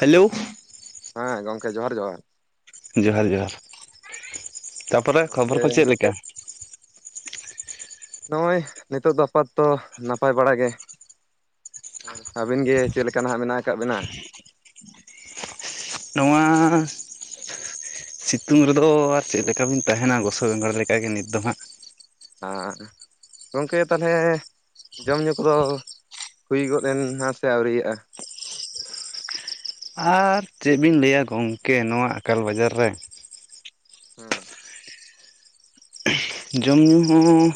Hello ᱦᱮᱸ ᱜᱚᱢᱠᱮ ᱡᱚᱦᱟᱨ ᱡᱚᱦᱟᱨ ᱡᱚᱦᱟᱨ ᱡᱚᱦᱟᱨ ᱛᱟᱨᱯᱚᱨᱮ ᱠᱷᱚᱵᱚᱨ ᱜᱚᱝᱠᱮ ᱠᱚ ᱪᱮᱫᱞᱮᱠᱟ ᱱᱚᱜᱼᱚᱭ ᱱᱤᱛᱚᱜ ᱫᱚ ᱟᱯᱟᱛᱚᱛᱚ ᱱᱟᱯᱟᱭ ᱵᱟᱲᱟ ᱜᱮ ᱟᱨ ᱟᱹᱵᱤᱱ ᱜᱮ ᱪᱮᱫ ᱞᱮᱠᱟ ᱦᱟᱸᱜ ᱢᱮᱱᱟᱜ ᱟᱠᱟᱫ ᱵᱤᱱᱟ ᱱᱚᱣᱟ ᱥᱤᱛᱩᱝ ᱨᱮᱫᱚ ᱟᱨ ᱪᱮᱫ ᱞᱮᱠᱟ ᱵᱤᱱ ᱛᱟᱦᱮᱱᱟ ᱜᱚᱥᱚ ᱵᱮᱸᱜᱟᱲ ᱞᱮᱠᱟᱜᱮ ᱱᱤᱛ ᱫᱚ ᱦᱟᱸᱜ ᱟᱨ ᱜᱚᱢᱠᱮ ᱛᱟᱦᱚᱞᱮ ᱡᱚᱢ ᱧᱩ ᱠᱚᱫᱳ ᱦᱩᱭ ᱜᱚᱫ ᱮᱱᱟ ᱥᱮ ᱟᱹᱣᱨᱤᱭᱟᱜᱼᱟ ᱟᱨ ᱪᱮᱫ ᱵᱤᱱ ᱞᱟᱹᱭᱟ ᱜᱚᱝᱠᱮ ᱱᱚᱣᱟ ᱟᱠᱟᱞ ᱵᱟᱡᱟᱨ ᱨᱮ ᱦᱮᱸ ᱡᱚᱢ ᱧᱩ ᱦᱚᱸ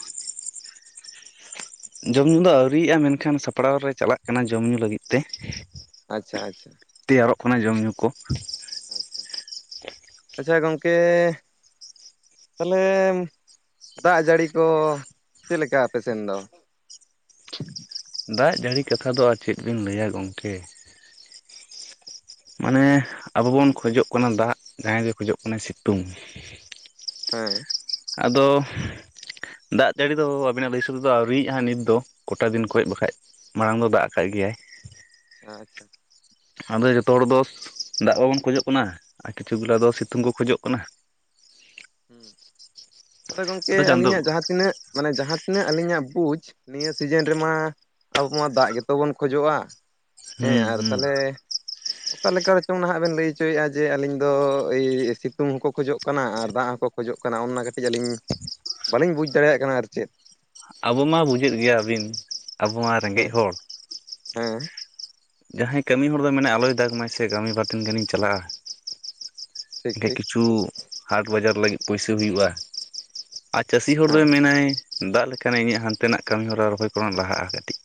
ᱡᱚᱢ ᱧᱩ ᱫᱚ ᱟᱹᱣᱨᱤᱭᱟᱜᱼᱟ ᱢᱮᱱᱠᱷᱟᱱ ᱥᱟᱯᱲᱟᱣ ᱨᱮ ᱪᱟᱞᱟᱜ ᱠᱟᱱᱟ ᱡᱚᱢ ᱧᱩ ᱞᱟᱹᱜᱤᱫ ᱛᱮ ᱟᱪᱪᱷᱟ ᱟᱪᱪᱷᱟ ᱛᱮᱭᱟᱨᱚᱜ ᱠᱟᱱᱟ ᱡᱚᱢ ᱧᱩ ᱠᱳ ᱟᱪᱪᱷᱟ ᱜᱚᱝᱠᱮ ᱛᱟᱦᱚᱞᱮ ᱫᱟᱜ ᱡᱟᱹᱲᱤ ᱠᱳ ᱪᱮᱫ ᱞᱮᱠᱟ ᱟᱯᱮ ᱥᱮᱱ ᱫᱳ [inaudible] ᱫᱟᱜ ᱡᱟᱹᱲᱤ ᱠᱟᱛᱷᱟ ᱫᱚ ᱟᱨ ᱪᱮᱫ ᱵᱤᱱ ᱞᱟᱹᱭᱟ ᱜᱚᱝᱠᱮ ᱢᱟᱱᱮ ᱟᱵᱩ ᱵᱩᱱ ᱠᱷᱚᱡᱚᱜ ᱠᱟᱱᱟ ᱫᱟᱜ ᱡᱟᱦᱟᱸᱭ ᱜᱤ ᱠᱷᱚᱡᱚᱜ ᱠᱟᱱᱟᱭ ᱥᱤᱛᱩᱝ ᱦᱮᱸ ᱟᱫᱚ ᱫᱟᱜ ᱡᱟᱹᱲᱤ ᱫᱚ ᱟᱵᱤᱱᱟᱜ ᱞᱟᱹᱭ ᱤᱥᱟᱹ ᱛᱮ ᱫᱚ ᱟᱹᱣᱨᱤᱭᱟᱜ-ᱟ ᱦᱟᱸᱜ ᱱᱤᱛ ᱫᱚ ᱠᱚᱴᱟ ᱫᱤᱱ ᱠᱷᱚᱡ ᱵᱟᱠᱷᱟᱡ᱾ ᱢᱟᱲᱟᱝ ᱫᱚ ᱫᱟᱜ ᱠᱟᱜ ᱜᱮᱭᱟᱭ᱾ ᱟᱪᱪᱷᱟ ᱟᱫᱚ ᱡᱚᱛᱚ ᱦᱚᱲ ᱫᱚ ᱫᱟᱜ ᱵᱟᱵᱩᱱ ᱠᱷᱚᱡᱚᱜ ᱠᱟᱱᱟ ᱟᱨ ᱠᱤᱪᱷᱩ ᱜᱩᱞᱟ ᱫᱚ ᱥᱤᱛᱩᱝ ᱠᱩ ᱠᱷᱚᱡᱚᱜ ᱠᱟᱱᱟ᱾ ᱟᱫᱚ ᱜᱚᱝᱠᱮ ᱟᱹᱞᱤᱧ-ᱟᱜ ᱡᱟᱦᱟᱸ ᱛᱤᱱᱟᱹᱜ ᱢᱟᱱᱮ ᱡᱟᱦᱟᱸ ᱛᱤᱱᱟᱹᱜ ᱟᱹᱞᱤᱧᱟᱜ ᱵᱩᱡᱽ ᱱᱤᱭᱟᱹ ᱥᱤᱡᱮᱱ ᱨᱮᱢᱟ ᱟᱵᱩ ᱢᱟ ᱫᱟᱜ ᱜᱮᱛᱚ ᱵᱚᱱ ᱠᱷᱚᱡᱚᱜ-ᱟ, ᱦᱮᱸ ᱦᱩᱸ ᱟᱨ ᱦᱩᱸ ᱛᱟᱦᱚᱞᱮ ᱚᱠᱟ ᱞᱮᱠᱟ ᱨᱮᱪᱚᱝ ᱱᱟᱦᱟᱜ ᱵᱮᱱ ᱞᱟᱹᱭ ᱚᱪᱚᱭᱮᱫ-ᱟ, ᱡᱮ ᱟᱹᱞᱤᱧ ᱫᱚ ᱮᱭ ᱥᱤᱛᱩᱝ ᱦᱚᱸᱠᱚ ᱠᱷᱚᱡᱚᱜ ᱠᱟᱱᱟ ᱟᱨ ᱫᱟᱜ ᱦᱚᱸ ᱠᱚ ᱠᱷᱚᱡᱚᱜ ᱠᱟᱱᱟ ᱚᱱᱟ ᱠᱟᱹᱴᱤᱡ ᱟᱹᱞᱤᱧ ᱵᱟᱹᱞᱤᱧ ᱵᱩᱡᱽ ᱫᱟᱲᱤᱭᱟᱜ ᱠᱟᱱᱟ ᱟᱨ ᱪᱮᱫ᱾ ᱟᱵᱩ ᱢᱟ ᱵᱩᱡᱟᱹᱜ ᱜᱮᱭᱟᱵᱤᱱ ᱟᱵᱩ ᱢᱟ ᱨᱮᱸᱜᱮᱡ ᱦᱮᱸ ᱦᱚᱲ᱾ ᱦᱮᱸ ᱡᱟᱦᱟᱸᱭ ᱠᱟᱹᱢᱤ ᱦᱚᱲ ᱫᱚᱭ ᱢᱮᱱᱟ ᱟᱞᱚᱭ ᱫᱟᱜᱽ ᱢᱟᱭ ᱥᱮ ᱠᱟᱹᱢᱤ ᱵᱟᱨᱫᱤᱱ ᱜᱟᱹᱱᱤᱧ ᱪᱟᱞᱟᱜ-ᱟ᱾ ᱴᱷᱤᱠ ᱮᱠᱷᱮ ᱴᱷᱤᱠ ᱠᱤᱪᱷᱩ ᱦᱟᱴ ᱵᱟᱡᱟᱨ ᱞᱟᱹᱜᱤᱫ ᱯᱩᱭᱥᱟᱹ ᱦᱩᱭᱩᱜ-ᱟ᱾ ᱟᱨ ᱪᱟᱹᱥᱤ ᱦᱚᱲ ᱦᱮᱸ ᱫᱚᱭ ᱢᱮᱱᱟᱭ ᱫᱟᱜ ᱞᱮᱠᱟᱱᱮ ᱤᱧᱟᱜ ᱦᱟᱱᱛᱮ ᱱᱟᱜ ᱠᱟᱹᱢᱤ ᱦᱚᱨᱟ ᱨᱚᱦᱚᱭ ᱠᱚᱨᱳᱱ ᱞᱟᱦᱟᱜ-ᱟ ᱠᱟᱹᱴᱤᱡ᱾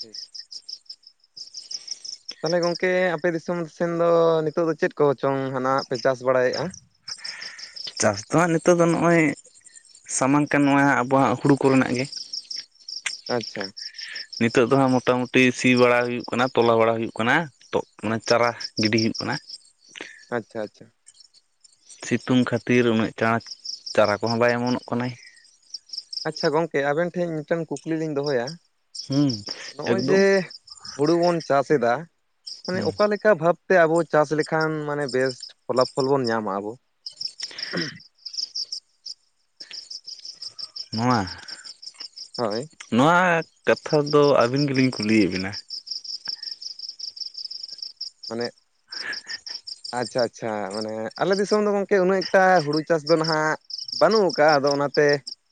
ᱴᱷᱤᱠ ᱛᱟᱦᱚᱞᱮ ᱜᱚᱝᱠᱮ ᱟᱯᱮ ᱫᱤᱥᱚᱢ ᱥᱮᱱ ᱫᱚ ᱱᱤᱛᱚᱜ ᱫᱚ ᱪᱮᱫ ᱠᱚᱪᱚᱝ ᱦᱟᱱᱟ ᱯᱮ ᱪᱟᱥ ᱵᱟᱲᱟᱭᱮᱫ-ᱟ? ᱪᱟᱥ ᱫᱚ ᱦᱟᱸᱜ ᱱᱤᱛᱚᱜ ᱫᱚ ᱱᱚᱜ-ᱚᱭ ᱥᱟᱢᱟᱝ ᱠᱟᱱ ᱱᱚᱣᱟ ᱦᱟᱸᱜ ᱟᱵᱩᱣᱟᱜ ᱦᱩᱲᱩ ᱠᱚᱨᱮᱱᱟᱜ ᱜᱮ᱾ ᱟᱪᱪᱷᱟ ᱱᱤᱛᱳᱜ ᱫᱚ ᱦᱟᱸᱜ ᱢᱚᱴᱟᱢᱩᱴᱤ ᱥᱤ ᱵᱟᱲᱟ ᱦᱩᱭᱩᱜ ᱠᱟᱱᱟ, ᱛᱚᱞᱟ ᱵᱟᱲᱟ ᱦᱩᱭᱩᱜ ᱠᱟᱱᱟ᱾ ᱛᱚᱜ ᱢᱟᱱᱮ ᱪᱟᱨᱟ ᱜᱤᱰᱤ ᱦᱩᱭᱩᱜ ᱠᱟᱱᱟ᱾ ᱟᱪᱪᱷᱟ ᱟᱪᱪᱷᱟ ᱥᱤᱛᱩᱝ ᱠᱷᱟᱹᱛᱤᱨ ᱩᱱᱟᱹᱜ ᱪᱟᱪ ᱪᱟᱨᱟ ᱠᱚᱦᱚᱸ ᱵᱟᱭ ᱚᱢᱚᱱᱚᱜ ᱠᱟᱱᱟᱭ᱾ ᱟᱪᱪᱷᱟ ᱜᱚᱝᱠᱮ ᱟᱵᱮᱱ ᱴᱷᱮᱱ ᱢᱤᱫ ᱴᱮᱱ ᱠᱩᱠᱞᱤ ᱞᱤᱧ ᱫᱚᱦᱚᱭᱟ᱾ ᱦᱩᱸ ᱱᱚᱜ-ᱚᱭ ᱮᱠᱫᱚᱢ ᱡᱮ ᱦᱩᱲᱩ ᱵᱩᱱ ᱪᱟᱥ ᱮᱫᱟ ᱢᱟᱱᱮ ᱦᱩᱸ ᱚᱠᱟ ᱞᱮᱠᱟ ᱚᱠᱟ ᱵᱷᱟᱵᱛᱮ ᱟᱵᱚ ᱪᱟᱥ ᱞᱮᱠᱷᱟᱱ ᱢᱟᱱᱮ ᱵᱮᱥ ᱯᱷᱚᱞᱟᱯᱷᱚᱞ ᱵᱚᱱ ᱧᱟᱢᱟ ᱟᱵᱚ᱾ ᱱᱚᱣᱟ? ᱦᱳᱭ ᱱᱚᱣᱟ ᱠᱟᱛᱷᱟ ᱫᱚ ᱟᱵᱤᱱ ᱜᱮᱞᱤᱧ ᱠᱩᱞᱤᱭᱮᱫ ᱵᱤᱱᱟ᱾ ᱢᱟᱱᱮ ᱟᱪᱪᱷᱟ ᱟᱪᱪᱷᱟ ᱢᱟᱱᱮ ᱟᱞᱮ ᱫᱤᱥᱚᱢ ᱫᱚ ᱜᱚᱝᱠᱮ ᱩᱱᱟᱹᱜ ᱮᱠᱴᱟ ᱦᱩᱲᱩ ᱪᱟᱥ ᱫᱚ ᱱᱟᱦᱟᱜ ᱵᱟᱹᱱᱩᱜ ᱠᱟᱜ-ᱟ᱾ ᱟᱫᱚ ᱚᱱᱟᱛᱮ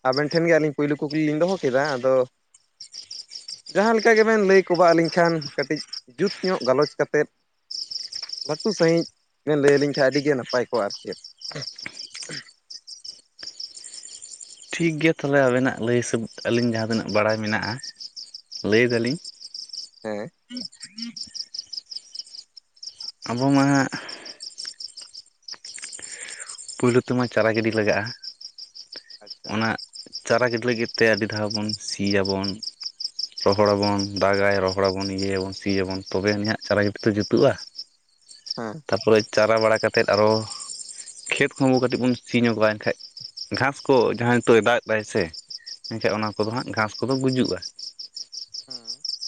ᱟᱵᱮᱱ ᱴᱷᱮᱱ ᱜᱮ ᱟᱹᱞᱤᱧ ᱯᱳᱭᱞᱩ ᱠᱩᱠᱞᱤ ᱞᱤᱧ ᱫᱚᱦᱚ ᱠᱮᱫᱟ ᱟᱫᱚ᱾ ᱡᱟᱦᱟᱸ ᱞᱮᱠᱟ ᱜᱮᱵᱮᱱ ᱞᱟᱹᱭ ᱠᱚᱵᱟᱜ ᱟᱹᱞᱤᱧ ᱠᱷᱟᱱ ᱠᱟᱹᱴᱤᱡ ᱡᱩᱛ ᱧᱚᱜ ᱜᱟᱞᱚᱪ ᱠᱟᱛᱮᱫ᱾ ᱞᱟᱹᱴᱩ ᱥᱟᱺᱦᱤᱡ ᱵᱮᱱ ᱞᱟᱹᱭ ᱟᱹᱞᱤᱧ ᱠᱷᱟᱱ ᱟᱹᱰᱤ ᱜᱮ ᱱᱟᱯᱟᱭ ᱠᱚᱜ-ᱟ ᱟᱨ ᱪᱮᱫ᱾ ᱴᱷᱤᱠ ᱜᱮᱭᱟ ᱛᱟᱦᱞᱮ ᱟᱵᱮᱱᱟᱜ ᱞᱟᱹᱭ ᱦᱤᱥᱟᱹᱵ ᱛᱮ ᱟᱹᱞᱤᱧ ᱡᱟᱦᱟᱸ ᱛᱤᱱᱟᱹᱜ ᱵᱟᱲᱟᱭ ᱢᱮᱱᱟᱜ-ᱟ᱾ ᱞᱟᱹᱭ ᱫᱟᱹᱞᱤᱧ, ᱦᱮᱸ [inaudible] ᱟᱵᱚ ᱢᱟ ᱯᱩᱭᱞᱩ ᱛᱮᱢᱟ ᱪᱟᱨᱟ ᱜᱤᱰᱤ ᱞᱟᱜᱟᱜ-ᱟ᱾ ᱟᱪᱪᱷᱟ ᱚᱱᱟᱜ ᱪᱟᱨᱟ ᱜᱤᱰᱤ ᱞᱟᱹᱜᱤᱫ ᱛᱮ ᱟᱹᱰᱤ ᱫᱷᱟᱣ ᱵᱚᱱ ᱥᱤᱭᱟᱵᱚᱱ᱾ ᱨᱚᱦᱚᱲ ᱟᱵᱚᱱ ᱫᱟᱜᱟᱭ ᱨᱚᱦᱚᱲ ᱟᱵᱚᱱ ᱤᱭᱟᱹᱭᱟᱵᱚᱱ ᱥᱤᱭᱟᱵᱚᱱ ᱛᱚᱵᱮ ᱟᱱᱮᱦᱟᱜ ᱪᱟᱨᱟ ᱜᱤᱰᱤ ᱛᱚ ᱡᱩᱛᱩᱜ-ᱟ᱾ ᱦᱮᱸ ᱛᱟᱯᱚᱨᱮ ᱪᱟᱨᱟ ᱵᱟᱲᱟ ᱠᱟᱛᱮᱫ ᱟᱨᱚ ᱠᱷᱮᱛ ᱠᱚᱦᱚᱸ ᱠᱟᱹᱴᱤᱡ ᱵᱚᱱ ᱥᱤ [unintelligible] ᱱᱠᱷᱟᱡ᱾ ᱜᱷᱟᱥ ᱠᱚ ᱡᱟᱦᱟᱸ ᱱᱤᱛᱚᱜ ᱫᱟᱜ ᱫᱟᱭ ᱥᱮ ᱮᱱᱠᱟᱡ ᱚᱱᱟ ᱠᱚᱫᱚ ᱦᱟᱸᱜ ᱜᱷᱟᱥ ᱠᱚᱫᱚ ᱜᱩᱡᱩᱜᱼᱟ᱾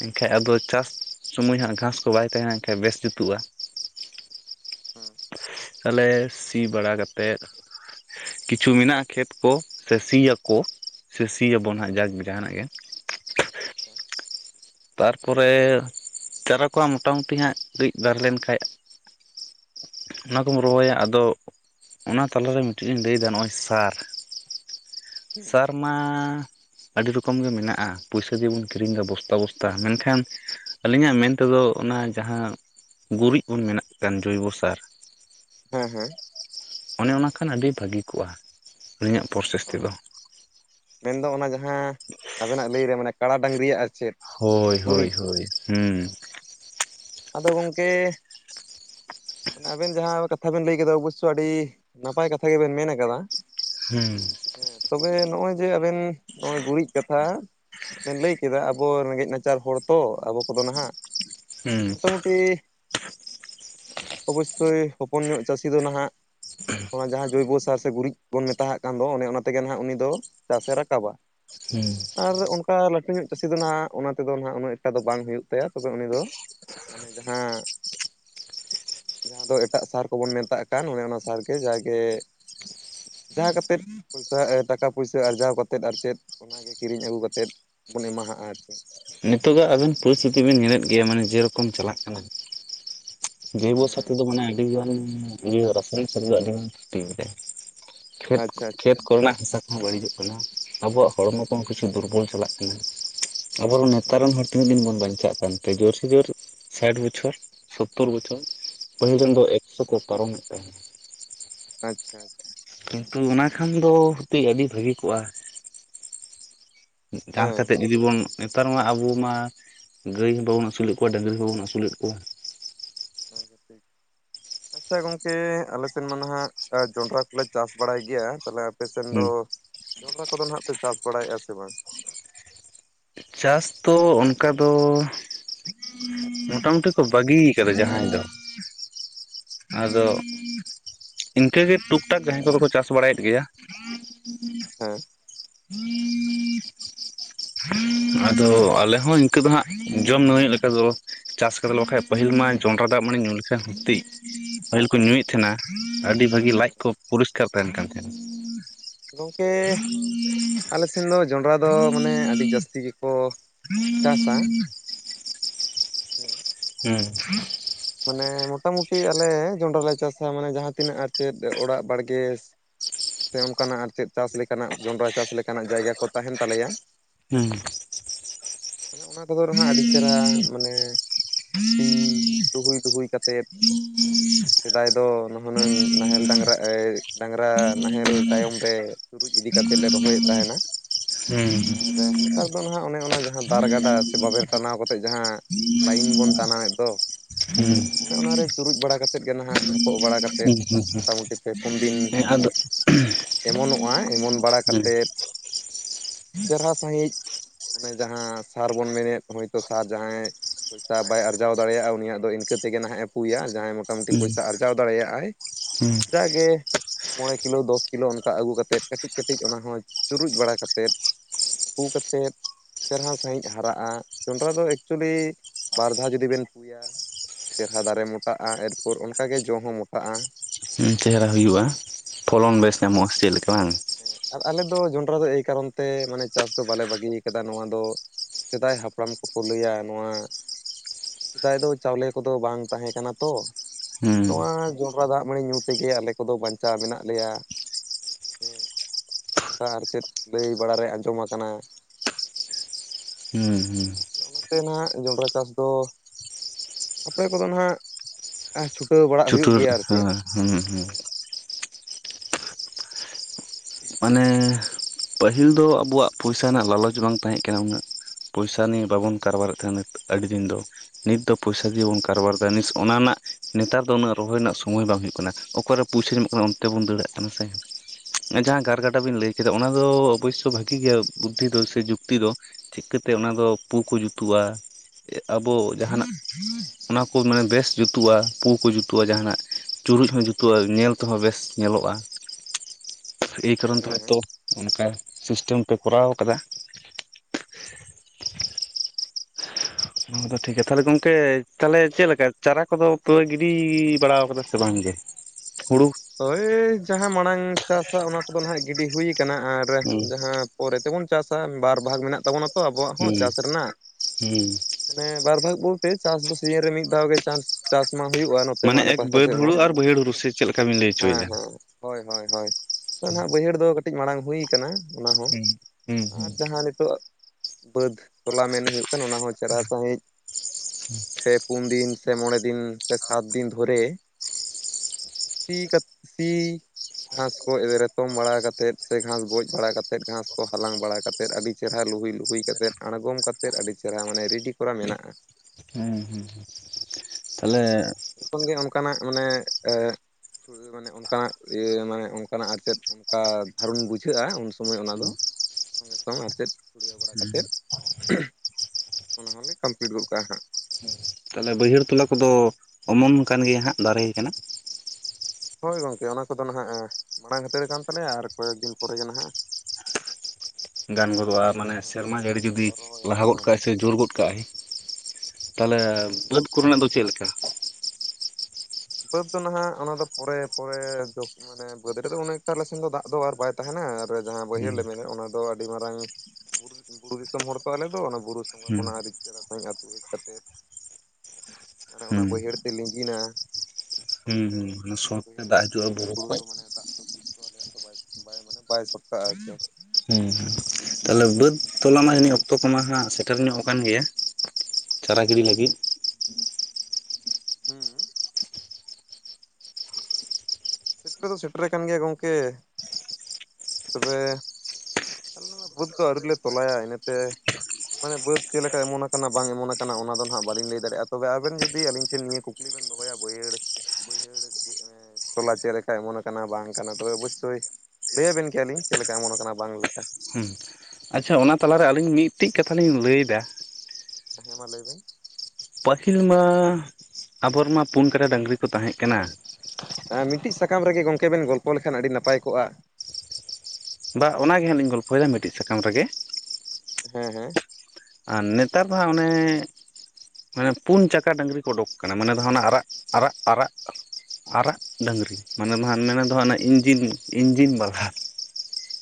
ᱮᱱᱠᱷᱟᱡ ᱟᱫᱚ ᱪᱟᱥ ᱥᱩᱚᱢᱚᱭ ᱦᱟᱸᱜ ᱜᱷᱟᱸᱥ ᱠᱚ ᱵᱟᱭ ᱛᱟᱦᱮᱱᱟ ᱮᱱᱠᱷᱟᱡ ᱵᱮᱥ ᱡᱩᱛᱩᱜᱼᱟ᱾ ᱦᱩᱸ᱾ ᱛᱟᱞᱦᱮ ᱥᱤ ᱵᱟᱲᱟ ᱠᱟᱛᱮᱫ ᱠᱤᱪᱷᱩ ᱢᱮᱱᱟᱜᱼᱟ ᱠᱷᱮᱛ ᱠᱚ ᱥᱮ ᱥᱤᱭᱟᱠᱚ, ᱥᱮ ᱥᱤᱭᱟᱵᱚᱱ ᱦᱟᱸᱜ ᱡᱟᱠ ᱡᱟᱦᱟᱱᱟᱜ ᱜᱮ, ᱟᱪᱪᱷᱟ᱾ ᱛᱟᱨᱯᱚᱨᱮ ᱪᱟᱨᱟ ᱠᱚ ᱦᱟᱸᱜ ᱢᱚᱴᱟᱢᱩᱴᱤ ᱦᱟᱸᱜ ᱨᱤᱡ ᱵᱟᱨ ᱞᱮᱱᱠᱷᱟᱡ, ᱚᱱᱟᱠᱚᱢ ᱨᱚᱦᱚᱭᱟ ᱟᱫᱚ ᱚᱱᱟ ᱛᱟᱞᱟ ᱨᱮ ᱢᱤᱫᱴᱮᱡ ᱤᱧ ᱞᱟᱹᱭᱫᱟ ᱱᱚᱜᱼᱚᱭ ᱥᱟᱨ ᱥᱟᱨ ᱢᱟ ᱟᱹᱰᱤ ᱨᱚᱠᱚᱢ ᱜᱮ ᱢᱮᱱᱟᱜᱼᱟ ᱯᱚᱭᱥᱟ ᱫᱤᱭᱮ ᱵᱚᱱ ᱠᱤᱨᱤᱧᱫᱟ ᱵᱚᱥᱛᱟ ᱵᱚᱥ ᱛᱟ ᱢᱮᱱᱠᱷᱟᱱ ᱟᱹᱞᱤᱧᱟᱜ ᱢᱮᱱ ᱛᱮᱫᱚ ᱚᱱᱟ ᱡᱟᱦᱟᱸ ᱜᱩᱨᱤᱡ ᱵᱚᱱ ᱢᱮᱱᱟᱜ ᱠᱟᱱ ᱡᱳᱭᱵᱚ ᱥᱟᱨ, ᱦᱮᱸ ᱦᱮᱸ᱾ ᱚᱱᱮ ᱚᱱᱟ ᱠᱷᱟᱱ ᱟᱹᱰᱤ ᱵᱷᱟᱹᱜᱤ ᱠᱚᱜᱼᱟ ᱟᱹᱞᱤᱧᱟᱜ ᱯᱨᱚᱥᱮᱥ ᱚ ᱛᱮᱫᱚ᱾ ᱢᱮᱱᱫᱚ ᱚᱱᱟ ᱡᱟᱦᱟᱸ ᱟᱵᱮᱱᱟᱜ ᱞᱟᱹᱭᱨᱮ ᱢᱟᱱᱮ ᱠᱟᱲᱟ ᱰᱟᱝᱨᱤᱭᱟᱜ ᱟᱨ ᱪᱮᱫ᱾ ᱦᱳᱭ ᱦᱳᱭ ᱜᱩᱨᱤᱡ ᱦᱳᱭ, ᱦᱩᱸ᱾ ᱟᱫᱚ ᱜᱚᱝᱠᱮ ᱢᱟᱱᱮ ᱟᱵᱮᱱ ᱡᱟᱦᱟᱸ ᱠᱟᱛᱷᱟ ᱵᱮᱱ ᱞᱟᱹᱭ ᱠᱮᱫᱟ ᱚᱵᱚᱥᱥᱚ ᱟᱹᱰᱤ ᱱᱟᱯᱟᱭ ᱠᱟᱛᱷᱟ ᱜᱮᱵᱮᱱ ᱢᱮᱱ ᱟᱠᱟᱫᱟ᱾ ᱦᱩᱸ᱾ ᱦᱮᱸ ᱛᱚᱵᱮ ᱱᱚᱜᱼᱚᱭ ᱡᱮ ᱟᱵᱮᱱ ᱱᱚᱜᱼᱚᱭ ᱜᱩᱨᱤᱡ ᱠᱟᱛᱷᱟ ᱵᱮᱱ ᱞᱟᱹᱭ ᱠᱮᱫᱟ ᱟᱵᱚ ᱨᱮᱸᱜᱮᱡ ᱱᱟᱪᱟᱨ ᱦᱚᱲ ᱛᱚ ᱟᱵᱚ ᱠᱚᱫᱚ ᱱᱟᱦᱟᱜ, ᱦᱩᱸ ᱢᱚᱴᱟᱢᱩᱴᱤ ᱚᱵᱚᱥᱥᱳᱭ ᱦᱚᱯᱚᱱ ᱧᱚᱜ ᱪᱟᱹᱥᱤ ᱫᱚ ᱱᱟᱦᱟᱜ ᱚᱱᱟ ᱡᱟᱦᱟᱸ ᱡᱳᱚᱭᱵᱚ ᱥᱟᱨ ᱥᱮ ᱜᱩᱨᱤᱡ ᱵᱚᱱ ᱢᱮᱛᱦᱟᱜ ᱠᱟᱱ ᱫᱚ ᱚᱱᱮ ᱚᱱᱟ ᱛᱮᱜᱮ ᱱᱟᱜ ᱩᱱᱤ ᱫᱚ ᱪᱟᱥᱮ ᱨᱟᱠᱟᱵᱟ᱾ ᱦᱩᱸ᱾ ᱟᱨ ᱚᱱᱠᱟ ᱞᱟᱹᱴᱷᱩ ᱧᱚᱜ ᱪᱟᱹᱥᱤ ᱫᱚ ᱱᱟᱜ ᱚᱱᱟ ᱛᱮᱫᱚ ᱱᱟᱦᱟᱜ ᱩᱱᱟᱹᱜ ᱮᱠᱴᱟ ᱫᱚ ᱵᱟᱝ ᱦᱩᱭᱩᱜ ᱛᱟᱭᱟ, ᱛᱚᱵᱮ ᱩᱱᱤ ᱫᱚ ᱦᱟᱱᱮ ᱡᱟᱦᱟᱸ ᱡᱟᱦᱟᱸ ᱫᱚ ᱮᱴᱟᱜ ᱥᱟᱨ ᱠᱚᱵᱚᱱ ᱢᱮᱛᱟᱜ ᱠᱟᱱ ᱚᱱᱮ ᱚᱱᱟ ᱥᱟᱨ ᱜᱮ ᱡᱟᱜᱮ ᱡᱟᱦᱟᱸ ᱠᱟᱛᱮᱫ ᱯᱚᱭᱥᱟ ᱮ ᱴᱟᱠᱟ ᱯᱩᱭᱥᱟ ᱟᱨᱡᱟᱣ ᱠᱟᱛᱮᱫ ᱟᱨ ᱪᱮᱫ ᱚᱱᱟ ᱜᱮ ᱠᱤᱨᱤᱧ ᱟᱹᱜᱩ ᱠᱟᱛᱮᱫ ᱵᱚᱱ ᱮᱢᱟᱦᱟᱜᱼᱟ ᱟᱨ ᱪᱮᱫ᱾ ᱱᱤᱛᱚᱜᱟᱜ ᱟᱵᱤᱱ ᱯᱚᱨᱤᱥᱛᱷᱤᱛᱤ ᱵᱮᱱ ᱧᱮᱞᱮᱜ ᱜᱮᱭᱟ ᱢᱟᱱᱮ ᱡᱮᱨᱚᱠᱚᱢ ᱪᱟᱞᱟᱜ ᱠᱟᱱᱟ᱾ ᱡᱮᱭᱵᱚ ᱥᱟᱨ ᱦᱮᱸ ᱛᱮᱫᱚ ᱢᱟᱱᱮ ᱟᱹᱰᱤᱜᱟᱱ ᱨᱟᱥᱟᱭᱱᱤᱠ ᱥᱟᱨ ᱛᱮᱫᱚ ᱟᱹᱰᱤ ᱜᱟᱱ ᱠᱷᱳᱛᱤᱭᱮᱫᱟᱭ᱾ ᱠᱷᱮᱛ ᱟᱪᱪᱷᱟ ᱟᱪᱪᱷᱟ ᱠᱷᱮᱛ ᱠᱚᱨᱮᱱᱟᱜ ᱦᱟᱥᱟ ᱠᱚᱦᱚᱸ ᱵᱟᱹᱲᱤᱡᱚᱜ ᱠᱟᱱᱟ ᱟᱵᱚᱣᱟᱜ ᱦᱚᱲᱢᱚ ᱠᱚᱦᱚᱸ ᱠᱤᱪᱷᱩ ᱫᱩᱨᱵᱚᱞ ᱪᱟᱞᱟᱜ ᱠᱟᱱᱟ᱾ ᱟᱵᱚ ᱨᱮᱱ ᱱᱮᱛᱟᱨ ᱨᱮᱱ ᱦᱚᱲ ᱛᱤᱱᱟᱹᱜ ᱫᱤᱱ ᱵᱚᱱ ᱵᱟᱧᱪᱟᱜ ᱠᱟᱱᱛᱮ ᱡᱳᱨ ᱥᱮ ᱡᱳᱨ ᱥᱟᱴ ᱵᱚᱪᱷᱚᱨ ᱥᱳᱛᱛᱳᱨ ᱵᱚᱪᱷᱚᱨ ᱯᱟᱹᱦᱤᱞ ᱨᱮᱱ ᱫᱚ ᱮᱠᱥᱚ ᱠᱚ ᱯᱟᱨᱚᱢᱮᱜ ᱛᱟᱦᱮᱸᱱᱟ᱾ ᱟᱪᱪᱷᱟ ᱟᱪᱪᱷᱟ᱾ ᱠᱤᱱᱛᱩ ᱚᱱᱟ ᱠᱷᱟᱱ ᱫᱚ ᱦᱚᱛᱮᱡ ᱟᱹᱰᱤ ᱵᱷᱟᱹᱜᱮ ᱠᱚᱜᱼᱟ᱾ ᱡᱟᱦᱟᱸ ᱦᱮᱸ ᱞᱮᱠᱟᱛᱮᱜ ᱡᱩᱫᱤ ᱵᱚᱱ ᱱᱮᱛᱟᱨ ᱢᱟ ᱟᱵᱚ ᱢᱟ ᱜᱟᱹᱭ ᱦᱚᱸ ᱵᱟᱵᱚᱱ ᱟᱹᱥᱩᱞᱮᱜ ᱠᱚᱣᱟ ᱰᱟᱹᱝᱨᱤ ᱦᱚᱸ ᱵᱟᱵᱚᱱ ᱟᱹᱥᱩᱞᱮᱜ ᱠᱚᱣᱟ᱾ ᱱᱚᱣᱟᱫᱚ ᱴᱷᱤᱠ᱾ ᱟᱪᱪᱷᱟ ᱜᱚᱝᱠᱮ ᱟᱞᱮ ᱥᱮᱱ ᱢᱟ ᱱᱟᱦᱟᱜ ᱡᱚᱱᱰᱨᱟ ᱠᱚᱞᱮ ᱪᱟᱥ ᱵᱟᱲᱟᱭ ᱜᱮᱭᱟ ᱛᱟᱞᱦᱮ ᱟ ᱯᱮ ᱥᱮᱱ ᱫᱚ ᱦᱩᱸ ᱡᱚᱸᱰᱨᱟ ᱠᱚᱫᱚ ᱱᱟᱦᱟᱜ ᱯᱮ ᱪᱟᱥ ᱵᱟᱲᱟᱭᱮᱫᱼᱟ ᱥᱮ ᱵᱟᱝ? ᱪᱟᱥ ᱫᱚ ᱚᱱᱠᱟ ᱫᱚ ᱢᱚᱴᱟᱢᱩᱴᱤ ᱠᱚ ᱵᱟᱹᱜᱤ ᱟᱠᱟᱫᱟ ᱡᱟᱦᱟᱸᱭ ᱫᱚ᱾ ᱟᱫᱚ ᱤᱱᱠᱟᱹᱜᱮ ᱴᱩᱠ ᱴᱟᱠ ᱡᱟᱸᱦᱟᱭ ᱠᱚᱫᱚ ᱠᱚ ᱪᱟᱥ ᱵᱟᱲᱟᱭᱮᱫ ᱜᱮᱭᱟ᱾ ᱦᱮᱸ᱾ [inaudible] ᱦᱮᱸ ᱟᱫᱚ ᱟᱞᱮᱦᱚᱸ ᱤᱱᱠᱟᱹ ᱫᱚ ᱦᱟᱸᱜ ᱡᱚᱢ ᱱᱟᱹᱣᱟᱹᱭᱚᱜ ᱞᱮᱠᱟ ᱫᱚ᱾ ᱪᱟᱥ ᱠᱟᱫᱟᱞᱮ ᱵᱟᱠᱷᱟᱡ ᱯᱟᱹᱦᱤᱞ ᱢᱟ ᱡᱚᱸᱱᱰᱨᱟ ᱫᱟᱜ ᱢᱟᱹᱲᱤ ᱧᱩ ᱞᱮᱠᱷᱟᱱ ᱦᱩᱛᱤᱜ᱾ ᱯᱟᱹᱦᱤᱞ ᱠᱚ ᱧᱩᱭᱮᱜ ᱛᱟᱦᱮᱱᱟ ᱟᱰᱤ ᱵᱷᱟᱹᱜᱤ ᱞᱟᱡᱽ ᱠᱚ ᱯᱚᱨᱤᱥᱠᱟᱨ ᱛᱟᱦᱮᱱ ᱠᱟᱱ ᱛᱟᱦᱮᱱᱟ᱾ ᱜᱚᱢᱠᱮ ᱟᱞᱮ ᱥᱮᱱ ᱫᱚ ᱡᱚᱸᱱᱰᱨᱟ ᱫᱚ ᱢᱟᱱᱮ ᱟᱰᱤ ᱡᱟᱹᱥᱛᱤ ᱜᱮᱠᱚ᱾ [inaudible] ᱦᱩᱸ᱾ ᱦᱩᱸ᱾ ᱢᱟᱱᱮ ᱢᱚᱴᱟ ᱢᱩᱴᱤ ᱟᱞᱮ ᱡᱚᱸᱱᱰᱨᱟ ᱞᱮ ᱪᱟᱥᱟ ᱢᱟᱱᱮ ᱡᱟᱸᱦᱟ ᱛᱤᱱᱟᱹᱜ ᱟᱨ ᱪᱮᱫ ᱚᱲᱟᱜ ᱵᱟᱲᱜᱮ᱾ ᱥᱮ ᱚᱱᱠᱟᱱᱟᱜ ᱟᱨ ᱪᱮᱫ ᱪᱟᱥ ᱞᱮᱠᱟᱱᱟᱜ ᱡᱚᱸᱱᱰᱨᱟ ᱪᱟᱥ ᱞᱮᱠᱟᱱᱟᱜ ᱡᱟᱭᱜᱟ ᱠᱚ ᱛᱟᱦᱮᱱ ᱛᱟᱞᱮᱭᱟ᱾ ᱦᱩᱸ᱾ ᱢᱟᱱᱮ ᱚᱱᱟ ᱠᱚ ᱫᱚ ᱱᱟᱦᱟᱜ ᱟᱹᱰᱤ ᱪᱮᱨᱦᱟ ᱢᱟᱱᱮ ᱥᱤ᱾ ᱴᱩᱦᱩᱭ ᱴᱩᱦᱩᱭ ᱠᱟᱛᱮᱫ᱾ [inaudible] ᱥᱮᱫᱟᱭ ᱫᱚ ᱱᱟ ᱦᱩᱱᱟᱹᱝ ᱱᱟᱦᱮᱞ ᱰᱟᱸᱝᱨᱟ ᱮᱸ ᱰᱟᱸᱝᱨᱟ ᱱᱟᱦᱮᱞ ᱛᱟᱭᱚᱢ ᱨᱮ᱾ ᱪᱩᱨᱩᱡ ᱤᱫᱤ ᱠᱟᱛᱮ ᱞᱮ ᱨᱚᱦᱚᱭ ᱮᱫ ᱛᱟᱦᱮᱱᱟ᱾ ᱦᱩᱸ ᱟᱨ ᱱᱮᱛᱟᱨ ᱫᱚ ᱱᱟᱦᱟᱜ ᱚᱱᱮ ᱚᱱᱟ ᱡᱟᱸᱦᱟ ᱫᱟᱨ ᱜᱟᱰᱟ ᱥᱮ ᱵᱟᱵᱮᱨ ᱴᱟᱱᱟᱣ ᱠᱟᱛᱮᱜ ᱡᱟᱸᱦᱟ᱾ ᱞᱟᱭᱤᱱ ᱵᱚᱱ ᱴᱟᱱᱟᱣ ᱮᱫ ᱫᱚ᱾ ᱦᱩᱸ᱾ ᱚᱱᱮ ᱚᱱᱟ ᱨᱮ ᱪᱩᱨᱩᱡ ᱵᱟᱲᱟ ᱠᱟᱛᱮᱫ ᱜᱮ ᱱᱟᱦᱟᱜ ᱫᱷᱟ ᱯᱚᱜ ᱵᱟᱲᱟ ᱠᱟᱛᱮᱫ ᱦᱩᱸ ᱦᱩᱸ ᱦᱩᱸ ᱢᱚᱴᱟ ᱢᱩᱴᱤ ᱯᱮ ᱯᱩᱱ ᱫᱤᱱ ᱦᱮᱸ ᱟᱫᱚ ᱮᱢᱚᱱᱚᱜᱼᱟ ᱮᱢᱚᱱ ᱵᱟᱲᱟ ᱦᱩᱸ ᱠᱟᱛᱮᱫ᱾ [inaudible] ᱪᱮᱨᱦᱟ ᱥᱟᱸᱦᱤᱡ᱾ ᱚᱱᱮ ᱡᱟᱸᱦᱟ ᱥᱟᱨ ᱵᱚᱱ ᱢᱮᱱᱮᱫ ᱦᱳᱭᱛᱳ ᱥᱟᱨ ᱡᱟᱸᱦᱟᱭ ᱯᱚᱭᱥᱟ ᱵᱟᱭ ᱟᱨᱡᱟᱣ ᱫᱟᱲᱮᱭᱟᱜᱼᱟ ᱩᱱᱤᱭᱟᱜ ᱫᱚ ᱤᱱᱠᱟᱹ ᱛᱮ ᱜᱮ ᱱᱟᱦᱟᱜ ᱮ ᱯᱩᱭᱟ ᱡᱟᱸᱦᱟᱭ ᱢᱚᱴᱟ ᱢᱩᱴᱤ ᱯᱚᱭᱥᱟ ᱦᱩᱸ ᱟᱨᱡᱟᱣ ᱫᱟᱲᱮᱭᱟᱜᱼᱟᱭ ᱡᱟᱜᱮ᱾ ᱢᱚᱬᱮ ᱠᱤᱞᱳ ᱫᱚᱥ ᱠᱤᱞᱳ ᱚᱱᱠᱟ ᱟᱹᱜᱩ ᱠᱟᱛᱮᱫ ᱠᱟᱹᱴᱤᱡ ᱠᱟᱹᱴᱤᱡ ᱚᱱᱟ ᱦᱚᱸ ᱪᱩᱨᱩᱡ ᱵᱟᱲᱟ ᱠᱟᱛᱮᱫ᱾ ᱯᱩ ᱠᱟᱛᱮᱫ᱾ ᱪᱮᱨᱦᱟ ᱥᱟᱸᱦᱤᱡ ᱦᱟᱨᱟᱜ-ᱟ ᱡᱚᱸᱰᱨᱟ ᱫᱚ ᱮᱠᱪᱩᱭᱮᱞᱤ ᱵᱟᱨ ᱫᱷᱟᱣ ᱡᱩᱫᱤ ᱵᱮᱱ ᱯᱩᱭᱟ᱾ ᱪᱮᱨᱦᱟ ᱫᱟᱨᱮ ᱢᱚᱴᱟᱜ-ᱟ ᱮᱨᱯᱚᱨ ᱚᱱᱠᱟ ᱜᱮ ᱡᱚ ᱦᱚᱸ ᱢᱚᱴᱟᱜ-ᱟ᱾ ᱩᱸ ᱪᱮᱦᱨᱟ ᱦᱩᱭᱩᱜ-ᱟ ᱯᱷᱚᱞᱚᱱ ᱦᱮᱸ ᱵᱮᱥ ᱧᱟᱢᱚᱜᱼᱟ ᱥᱮ ᱪᱮᱫ ᱞᱮᱠᱟ ᱵᱟᱝ᱾ ᱦᱮᱸ ᱟᱨ ᱟᱞᱮ ᱫᱚ ᱡᱚᱸᱱᱰᱨᱟ ᱫᱚ ᱮᱭ ᱠᱟᱨᱚᱱ ᱛᱮ ᱢᱟᱱᱮ ᱪᱟᱥ ᱫᱚ ᱵᱟᱞᱮ ᱵᱟᱹᱜᱤᱭ ᱠᱟᱫᱟ ᱱᱚᱣᱟ ᱫᱚ᱾ ᱥᱮᱫᱟᱭ ᱦᱟᱯᱲᱟᱢ ᱠᱚ ᱠᱚ ᱞᱟᱹᱭᱟ ᱱᱚᱣᱟ ᱥᱮᱫᱟᱭ ᱫᱚ᱾ ᱪᱟᱣᱞᱮ ᱠᱚ ᱫᱚ ᱵᱟᱝ ᱛᱟᱸᱦᱮ ᱠᱟᱱᱟ ᱛᱚ ᱦᱩᱸ ᱱᱚᱣᱟ ᱡᱚ ᱱᱰᱨᱟ ᱫᱟᱜ ᱢᱟᱹᱲᱤ ᱧᱩ ᱛᱮ ᱜᱮ ᱟᱞᱮ ᱠᱚ ᱫᱚ ᱵᱟᱧᱪᱟᱣ ᱢᱮᱱᱟᱜ ᱞᱮᱭᱟ᱾ ᱝᱠᱟ ᱟᱨ ᱪᱮᱫ ᱞᱟᱹᱭ ᱵᱟᱲᱟ ᱨᱮ ᱟᱸᱡᱚᱢ ᱟᱠᱟᱱᱟ᱾ ᱦᱩᱸ ᱦᱩᱸ᱾ ᱚᱱᱟᱛᱮ ᱱᱷᱟᱜ ᱡᱚᱸᱰᱨᱟ ᱪᱟᱥ ᱫᱚ᱾ ᱟᱯᱮ ᱠᱚ ᱫᱚ ᱱᱷᱟᱜ᱾ ᱟᱸ ᱪᱷᱩᱴᱟᱹᱣ᱾ ᱪᱷᱩᱴᱩᱨ ᱪᱮᱫ ᱦᱮᱸ ᱦᱩᱸ ᱦᱩᱸ᱾ ᱦᱮᱸ ᱢᱟᱱᱮ ᱯᱟᱹᱦᱤᱞ ᱫᱚ ᱟᱵᱩᱣᱟᱜ ᱯᱚᱭᱥᱟ ᱨᱮᱱᱟᱜ ᱞᱟᱞᱚᱪ ᱵᱟᱝ ᱛᱟᱦᱮᱸᱜ ᱠᱟᱱᱟ ᱩᱱᱟᱹᱜ᱾ ᱯᱚᱭᱥᱟ ᱱᱤᱭᱮ ᱵᱟᱵᱚᱱ ᱠᱟᱨᱵᱟᱨ ᱮᱜ ᱛᱟᱦᱮᱜ ᱟᱹᱰᱤ ᱫᱤᱱ ᱫᱚ᱾ ᱱᱤᱛ ᱫᱚ ᱯᱚᱭᱥᱟ ᱫᱤᱭᱮ ᱵᱚᱱ ᱠᱟᱨᱵᱟᱨ ᱫᱟ ᱱᱤᱥ ᱚᱱᱟ ᱨᱮᱱᱟᱜ ᱱᱮᱛᱟᱨ ᱫᱚ ᱩᱱᱟᱹᱜ ᱨᱚᱦᱚᱭ ᱨᱮᱱᱟᱜ ᱥᱚᱢᱚᱭ ᱵᱟᱝ ᱦᱳᱭᱳᱜ ᱠᱟᱱᱟ ᱚᱠᱟᱨᱮ᱾ ᱯᱩᱭᱥᱟᱹ [unintelligible] [unintelligible] ᱠᱟᱱᱟ ᱚᱱᱛᱮ ᱵᱚᱱ ᱫᱟᱹᱲᱟᱜ ᱠᱟᱱᱟ ᱥᱮ ᱡᱟᱦᱟᱸ ᱜᱟᱨ ᱜᱟᱰᱟ ᱵᱤᱱ ᱞᱟᱹᱭ ᱠᱮᱫᱟ ᱚᱱᱟ ᱫᱚ ᱚᱵᱚᱥ ᱥᱳᱭ ᱵᱷᱟᱹᱜᱤ ᱜᱮᱭᱟ ᱵᱩᱫᱽ ᱫᱷᱤ ᱫᱚ ᱥᱮ ᱡᱩᱠᱛᱤ ᱫᱚ ᱼᱼᱼ ᱪᱤᱠᱟᱹᱛᱮ ᱚᱱᱟ ᱫᱚ ᱯᱩ ᱠᱚ ᱡᱩᱛᱩᱜᱼᱟ ᱟᱵᱚ ᱦᱮᱸ ᱡᱟᱦᱟ ᱱᱟᱜ ᱾ ᱚᱱᱟ ᱠᱚ ᱢᱟᱱᱮ ᱵᱮᱥ ᱡᱩᱛᱩᱜᱼᱟ ᱯᱩ ᱠᱚ ᱡᱩᱛᱩᱜᱼᱟ ᱡᱟᱦᱟᱸ ᱱᱟᱜ ᱾ ᱪᱩᱨᱩᱡ ᱦᱚᱸ ᱡᱩᱛᱩᱜᱼᱟ ᱧᱮᱞ ᱛᱮ ᱦᱚᱸ ᱵᱮᱥ ᱧᱮ ᱞᱚᱜᱼᱟ ᱾ ᱮᱭ ᱠᱟᱨᱚᱱ ᱛᱮ ᱦᱮᱸ ᱦᱚᱭ ᱦᱮᱸ ᱛᱚ ᱚᱱᱠᱟ ᱥᱤᱥ ᱴᱮᱢ ᱯᱮ ᱠᱚᱨᱟᱣ ᱟᱠᱟᱫᱟ ᱾ ᱟᱫᱚ ᱴᱷᱤᱠ ᱜᱮᱭᱟ ᱛᱟᱦᱞᱮ ᱜᱚᱝᱠᱮ ᱛᱟᱦᱞᱮ ᱪᱮᱫ ᱞᱮᱠᱟ ᱪᱟᱨᱟ ᱠᱚ ᱫᱚ ᱯᱮ ᱜᱤᱰᱤ ᱵᱟᱲᱟ ᱠᱟᱫᱟ ᱥᱮ ᱵᱟᱝ ᱜᱮ ᱾ ᱦᱩᱲᱩ ᱦᱳᱭ ᱡᱟᱦᱟᱸ ᱢᱟᱲᱟᱝ ᱪᱟᱥ ᱟᱜ ᱚᱱᱟ ᱠᱚ ᱫᱚ ᱱᱟᱦᱟᱜ ᱜᱤᱰᱤ ᱦᱩᱭ ᱠᱟᱱᱟ ᱟᱨ ᱦᱩᱸ ᱡᱟᱦᱟᱸ ᱾ ᱯᱚᱨᱮ ᱛᱮ ᱵᱚᱱ ᱪᱟᱥᱟ ᱵᱟᱨ ᱵᱷᱟᱜᱽ ᱢᱮᱱᱟᱜ ᱛᱟ ᱵᱚᱱᱟ ᱛᱚ ᱟᱵᱚ ᱣᱟᱜ ᱦᱚᱸ ᱦᱩᱸ ᱪᱟᱥ ᱨᱮᱱᱟᱜ ᱦᱩᱸ ᱾ ᱢᱟᱱᱮ ᱵᱟᱨ ᱵᱷᱟᱜ ᱵᱚᱞ ᱛᱮ ᱪᱟᱥ ᱫᱚ ᱥᱤᱡᱤᱱ ᱨᱮ ᱢᱤᱫ ᱫᱷᱟᱣ ᱜᱮ ᱪᱟᱱᱥ ᱪᱟᱥ ᱢᱟ ᱦᱩᱭᱩᱜᱼᱟ ᱱᱚ ᱛᱮ ᱢᱟ ᱟᱞᱮ ᱯᱟᱦᱴᱟ ᱥᱮᱫ ᱢᱟ ᱾ ᱵᱟᱹᱭ ᱦᱟᱹᱲ ᱦᱩᱲᱩ ᱥᱮ ᱪᱮᱫ ᱞᱮᱠᱟ ᱵᱤᱱ [unintelligible] [unintelligible] ᱦᱮᱸ ᱦᱮᱸ ᱦᱳᱭ ᱦᱳᱭ ᱦᱳᱭ ᱛᱚ ᱱᱟᱜ ᱵᱟᱹᱭᱦᱟᱹᱲ ᱫᱚ ᱠᱟᱹᱴᱤᱡ ᱢᱟᱲᱟᱝ ᱦᱩᱭ ᱠᱟᱱᱟ ᱚᱱᱟ ᱦᱚᱸ ᱦᱩᱸ ᱦᱩᱸ ᱦᱩᱸ ᱟᱨ ᱡᱟᱦᱟᱸ ᱱᱤᱛᱚᱜ ᱵᱟᱹᱫᱽ ᱛᱚᱞᱟ ᱢᱮᱱ ᱦᱩᱭᱩᱜ ᱠᱟᱱᱟ ᱚᱱᱟ ᱦᱚᱸ ᱾ ᱥᱮᱬᱟ ᱥᱟᱺᱦᱤᱡ ᱯᱮ ᱯᱩᱱ ᱫᱤᱱ ᱥᱮ ᱢᱚᱬᱮ ᱫᱤᱱ ᱥᱮ ᱥᱟᱛ ᱫᱤᱱ ᱫᱷᱚᱨᱮ ᱥᱤ ᱠᱟᱼᱼᱼ ᱥᱤ ᱜᱷᱟᱥ ᱠᱚ ᱮᱨᱮᱛᱚᱢ ᱵᱟᱲᱟ ᱠᱟᱛᱮᱫ ᱥᱮ ᱜᱷᱟᱥ ᱜᱚᱡ ᱵᱟᱲᱟ ᱠᱟᱛᱮᱫ ᱜᱷᱟᱥ ᱠᱚ ᱦᱟᱞᱟᱝ ᱵᱟᱲᱟ ᱠᱟᱛᱮᱫ ᱛᱮᱫ ᱟᱹᱰᱤ ᱪᱮᱦᱨᱟ ᱞᱩᱜᱩᱭ ᱞᱩᱜᱩᱭ ᱠᱟᱛᱮᱫ ᱟᱬᱜᱚᱢ ᱠᱟᱛᱮᱫ ᱟᱹᱰᱤ ᱪᱮᱦᱨᱟ ᱢᱟᱱᱮ ᱨᱮᱰᱤ ᱠᱚᱨᱟᱣ ᱢᱮᱱᱟᱜᱼᱟ ᱾ ᱦᱮᱸ ᱦᱩᱸ ᱛᱟᱦᱞᱮ ᱦᱮᱸ ᱾ ᱡᱚᱠᱷᱚᱱ ᱜᱮ ᱚᱱᱠᱟᱱᱟᱜ ᱢᱟᱱᱮ ᱮᱻ ᱢᱟᱱᱮ ᱚᱱᱠᱟᱱᱟᱜ ᱤᱭᱟᱹ ᱢᱟᱱᱮ ᱚᱱᱠᱟᱱᱟᱜ ᱟᱨ ᱪᱮᱫ ᱚᱱᱠᱟ ᱫᱷᱟᱨᱩᱱ ᱵᱩᱡᱷᱟᱹᱜᱼᱟ ᱩᱱ ᱥᱚᱢᱚᱭ ᱚᱱᱟ ᱫᱚ ᱥᱚᱸᱜᱮ ᱥᱚᱝ ᱟᱨ ᱪᱮᱫ ᱪᱩᱲᱭᱟᱹᱣ ᱵᱟᱲᱟ ᱠᱟᱛᱮᱫ ᱚᱱᱟ ᱦᱚᱸᱞᱮ ᱠᱚᱢᱯᱞᱤᱴ ᱜᱚᱫ ᱠᱟᱜᱼᱟ ᱦᱟᱸᱜ ᱾ ᱛᱟᱦᱞᱮ ᱵᱟᱹᱭᱦᱟᱹᱲ ᱛᱚᱞᱟ ᱠᱚᱫᱚ ᱚᱢᱚᱱ ᱠᱟᱱ ᱜᱮᱭᱟ ᱦᱟᱸᱜ ᱫᱟᱨᱮ ᱟᱠᱟᱱᱟ ᱾ ᱦᱳᱭ ᱜᱚᱝᱠᱮ ᱚᱱᱟ ᱠᱚᱫᱚ ᱱᱟᱦᱟᱸᱜ ᱢᱟᱲᱟᱝ ᱦᱟᱹᱛᱟᱹᱲ ᱠᱟᱱ ᱛᱟᱞᱮᱭᱟ ᱟᱨ ᱠᱚᱭᱮᱠ ᱫᱤᱱ ᱯᱚᱨᱮ ᱜᱮ ᱱᱟᱦᱟᱸᱜ ᱜᱟᱱ ᱜᱚᱫᱚᱜᱼᱟ ᱢᱟᱱᱮ ᱥᱮᱨᱢᱟ ᱡᱟᱹᱲᱤ ᱡᱩᱫᱤ ᱨᱚᱦᱚᱭᱟᱞᱮ ᱞᱟᱦᱟ ᱦᱮᱸ ᱜᱚᱫ ᱦᱮᱸ ᱠᱟᱜᱼᱟᱭ ᱥᱮ ᱡᱳᱨ ᱜᱚᱫ ᱠᱟᱜᱼᱟᱭ ᱛᱟᱦᱚᱞᱮ ᱦᱩᱸ ᱵᱟᱫᱽ ᱠᱚᱨᱮᱱᱟᱜ ᱫᱚ ᱪᱮᱫ ᱞᱮᱠᱟ? ᱵᱟᱹᱫᱽ ᱫᱚ ᱱᱟᱦᱟᱸᱜ ᱚᱱᱟ ᱫᱚ ᱯᱚᱨᱮ ᱯᱚᱨᱮ ᱢᱟᱱᱮ ᱵᱟᱹᱫᱽ ᱨᱮᱫᱚ ᱚᱱᱮ ᱮᱠᱴᱟ ᱟᱞᱮ ᱥᱮᱱ ᱫᱚ ᱫᱟᱜ ᱫᱚ ᱟᱨ ᱵᱟᱭ ᱛᱟᱦᱮᱸᱱᱟ ᱟᱨ ᱡᱟᱦᱟᱸ ᱦᱩᱸ ᱵᱟᱹᱭᱦᱟᱹᱲ ᱞᱮ ᱢᱮᱱᱮᱫ ᱚᱱᱟ ᱫᱚ ᱟᱹᱰᱤ ᱢᱟᱨᱟᱝ [inaudible] [inaudible] ᱵᱩᱨᱩ ᱵᱩᱨᱩ ᱫᱤᱥᱚᱢ ᱦᱚᱲ ᱛᱚ ᱟᱞᱮᱫᱚ ᱚᱱᱟ ᱵᱩᱨᱩ ᱦᱩᱸ ᱠᱷᱚᱱᱟᱜ ᱟᱹᱰᱤ ᱪᱮᱦᱟ ᱟᱹᱛᱩ ᱦᱮᱡ ᱠᱟᱛᱮᱫ ᱢᱟᱱᱮ ᱚᱱᱟ ᱦᱩᱸ ᱵᱟᱹᱭᱦᱟᱹᱲ ᱛᱮ ᱞᱤᱸᱜᱤᱱᱟ ᱾ ᱚᱱᱟᱛᱮ ᱦᱩᱸ ᱦᱩᱸ ᱥᱚᱴ ᱛᱮ ᱵᱟᱹᱭᱦᱟᱹᱲ ᱫᱟᱜ ᱦᱤᱡᱩᱜᱼᱟ ᱵᱟᱹᱭᱦᱟᱹᱲ ᱵᱩᱨᱩ ᱦᱚᱲ ᱠᱷᱚᱡ ᱫᱚ ᱢᱟᱱᱮ ᱫᱟᱜ ᱫᱚ ᱟᱞᱮᱭᱟᱜ ᱢᱟᱱ ᱵᱟᱭ ᱥᱟᱯᱠᱟᱜᱼᱟ ᱟᱨ ᱪᱮᱛ ᱾ ᱦᱮᱸ ᱦᱮᱸ ᱛᱟᱦᱞᱮ ᱵᱟᱹᱫᱽ ᱛᱚᱞᱟ ᱢᱟ ᱡᱟᱹᱱᱤᱡ ᱚᱠᱛᱚ ᱠᱚᱢᱟ ᱦᱟᱸᱜ ᱥᱮᱴᱮᱨ ᱧᱚᱜ ᱟᱠᱟᱱ ᱜᱮᱭᱟ? ᱪᱟᱨᱟ ᱜᱤᱰᱤ ᱞᱟᱹᱜᱤᱫ ᱾ ᱦᱮᱸ ᱾ ᱥᱮᱴᱮᱨ ᱫᱚ ᱥᱮᱴᱨᱟ ᱟᱱᱟᱱ ᱜᱮᱭᱟ ᱜᱚᱢᱠᱮ ᱛᱚᱵᱮ ᱵᱟᱫᱽ ᱫᱚ ᱟᱹᱣᱨᱤ ᱞᱮ ᱛᱚᱞᱟᱭᱟ ᱤᱱᱟᱹᱛᱮ ᱢᱟᱱᱮ ᱵᱟᱹᱫᱽ ᱪᱮᱫ ᱞᱮᱠᱟ ᱮᱢᱚᱱ ᱟᱠᱟᱱᱟ ᱵᱟᱝ ᱮᱢᱚᱱ ᱟᱠᱟᱱᱟ ᱚᱱᱟ ᱫᱚ ᱱᱟᱦᱟᱸᱜ ᱵᱟᱹᱞᱤᱧ ᱞᱟᱹᱭ ᱫᱟᱲᱮᱭᱟᱜᱼᱟ ᱛᱚᱵᱮ ᱟᱵᱮᱱ ᱡᱩᱫᱤ ᱟᱹᱞᱤ ᱴᱷᱮᱱ ᱱᱤᱭᱟᱹ ᱠᱩᱠᱞᱤ ᱫᱚᱦᱚᱭᱟ ᱵᱟᱹᱭᱦᱟᱹᱲ ᱵᱟᱹᱭᱦᱟᱹᱲ ᱜᱮ ᱻ ᱴᱚᱞᱟ ᱪᱮᱫ ᱞᱮᱠᱟᱭ ᱮᱢᱚᱱᱮ ᱠᱟᱱᱟ ᱵᱟᱝ ᱠᱟᱱᱟ ᱛᱚᱵᱮ ᱚᱵᱚᱥᱥᱳᱭ ᱞᱟᱹᱭ ᱟᱵᱮᱱ ᱠᱮᱭᱟᱞᱤᱧ ᱪᱮᱫ ᱞᱮᱠᱟᱭ ᱮᱢᱚᱱᱚᱜ ᱠᱟᱱᱟ ᱵᱟᱝ ᱞᱮᱠᱟ ᱾ ᱦᱮᱸ ᱟᱪᱷᱟ ᱚᱱᱟ ᱛᱟᱞᱟᱨᱮ ᱟᱹᱞᱤᱧ ᱢᱤᱫᱴᱮᱡ ᱠᱟᱛᱷᱟ ᱞᱤᱧ ᱞᱟᱹᱭ ᱮᱫᱟ ᱾ ᱦᱮᱸ ᱢᱟ ᱞᱟᱹᱭᱵᱤᱱ? ᱯᱟᱹᱦᱤᱞ ᱢᱟ᱾ ᱟᱵᱚ ᱨᱮᱢᱟ ᱯᱩᱱ ᱠᱟᱰᱟ ᱰᱟᱜᱽᱨᱤ ᱠᱚ ᱛᱟᱦᱮᱸ ᱠᱟᱱᱟ᱾ ᱟᱨ ᱢᱤᱫᱴᱤᱡ ᱥᱟᱠᱟᱢ ᱨᱮ-ᱜᱮ ᱜᱚᱝᱠᱮ ᱵᱮᱱ ᱜᱚᱞᱯᱚ ᱞᱮᱠᱷᱟᱱ᱾ ᱟᱹᱰᱤ ᱱᱟᱯᱟᱭ ᱠᱚᱜᱼᱟ᱾ ᱵᱟ, ᱚᱱᱟᱜᱮ ᱦᱟᱸᱜ ᱞᱤᱧ ᱜᱚᱞᱯᱚ ᱭᱮᱫᱟ᱾ ᱢᱤᱫᱴᱤᱡ ᱥᱟᱠᱟᱢ ᱨᱮᱜᱮ᱾ ᱦᱮᱸ, ᱦᱮᱸ᱾ ᱟᱨ ᱱᱮᱛᱟᱨ ᱫᱚ ᱦᱟᱸᱜ ᱚᱱᱮ᱾ ᱢᱟᱱᱮ ᱯᱩᱱ ᱪᱟᱠᱟ ᱰᱟᱹᱜᱽᱨᱤ ᱠᱚ ᱩᱰᱩᱠ ᱠᱟᱱᱟ᱾ ᱢᱟᱱᱮ ᱫᱚ ᱱᱟᱦᱟᱸᱜ ᱟᱨᱟᱜ, ᱟᱨᱟᱜ, ᱯᱟᱨᱟ-ᱜ ᱟᱨᱟᱜ ᱰᱟᱹᱜᱽᱨᱤ ᱢᱟᱱᱮ ᱱᱟᱦᱟᱸᱜ ᱢᱮᱱ ᱫᱚ ᱦᱟᱸᱜ ᱤᱧᱡᱤᱱ, ᱤᱧᱡᱤᱱ, ᱵᱟᱫᱟ᱾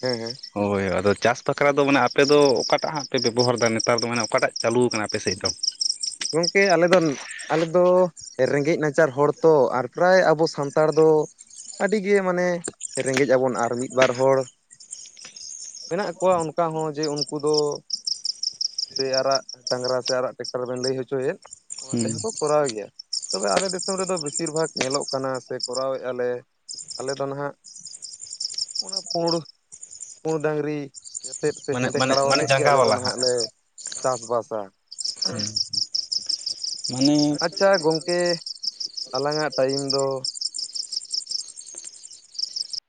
ᱦᱮᱸ, ᱦᱮᱸ᱾ ᱦᱳᱭ ᱟᱫᱚ ᱪᱟᱥ ᱵᱟᱠᱷᱨᱟ ᱫᱚ᱾ ᱢᱟᱱᱮ ᱟᱯᱮᱫᱚ ᱚᱠᱟᱴᱟ-ᱜ ᱦᱟᱸᱜ ᱯᱮ ᱵᱮᱵᱚᱦᱟᱨᱮ-ᱫᱟ ᱾ ᱱᱤᱛᱚᱼᱜ ᱱᱮᱛᱟᱨ ᱫᱚ ᱢᱟᱱᱮ ᱚᱠᱟᱴᱟ-ᱜ ᱪᱟᱹᱞᱩᱣ ᱟᱠᱟᱱᱟ᱾ ᱟᱯᱮᱥᱮᱫ ᱫᱚ? ᱜᱚᱝᱠᱮ ᱟᱞᱮᱫ ᱫᱚ ᱟᱞᱮ ᱫᱚ ᱨᱮᱸᱜᱮᱡ ᱱᱟᱪᱟᱨ ᱦᱚᱲ ᱛᱚ᱾ ᱟᱨ ᱯᱨᱟᱭ ᱟᱵᱚ ᱥᱟᱱᱛᱟᱲ ᱫᱚ᱾ ᱟᱹᱰᱤ ᱜᱮ ᱢᱟᱱᱮ ᱨᱮᱸᱜᱮᱡ ᱟᱵᱚᱱ᱾ ᱟᱨ ᱢᱤᱫ ᱵᱟᱨ ᱦᱚᱲ᱾ ᱢᱮᱱᱟᱜ ᱠᱚᱣᱟ ᱚᱱᱠᱟ ᱦᱚᱸ ᱾ ᱡᱮ ᱩᱱᱠᱩ ᱫᱚ᱾ ᱥᱮ ᱟᱨᱟᱜ ᱰᱟᱽᱝᱨᱟ ᱥᱮ ᱟᱨᱟᱜ ᱴᱨᱮᱠᱴᱟᱨ ᱵᱮᱱ ᱞᱟᱹᱭ ᱦᱚᱪᱚ ᱭᱮᱫ ᱾ ᱚᱱᱟ ᱦᱩᱸ ᱛᱮᱦᱚᱸ ᱠᱚ ᱠᱚᱨᱟᱣᱮᱫ ᱜᱮᱭᱟ᱾ ᱛᱚᱵᱮ ᱟᱞᱮ ᱫᱤᱥᱚᱢ ᱨᱮᱫᱚ ᱵᱮᱥᱤᱨ ᱵᱷᱟᱜᱽ ᱧᱮᱞᱚᱜ ᱠᱟᱱᱟ᱾ ᱥᱮ ᱠᱚᱨᱟᱣᱮᱫᱼᱟᱞᱮ ᱟᱞᱮ ᱱᱟᱦᱟᱸᱜ ᱚᱱᱟ᱾ ᱯᱩᱬᱸ ᱯᱩᱸᱰ ᱰᱟᱹᱜᱽᱨᱤ ᱛᱮᱫ ᱛᱮ ᱢᱟᱱᱮ ᱦᱮᱸᱫᱮ ᱢᱟᱱᱮ ᱠᱟᱲᱟᱣ ᱢᱟᱱᱮ ᱟᱛᱮᱫ ᱜᱮ᱾ ᱟᱞᱮ ᱡᱟᱸᱜᱟ ᱫᱚ ᱵᱟᱞᱟ ᱱᱟᱦᱟ-ᱜ ᱦᱟᱸᱜ ᱞᱮ ᱪᱟᱥ ᱵᱟᱥᱟ ᱾ ᱦᱩᱸᱼ ᱢᱟᱱᱮ ᱪᱟ ᱜᱚᱝᱠᱮ ᱟᱞᱟᱝᱼᱟᱜ, ᱴᱟᱭᱤᱢ ᱫᱚ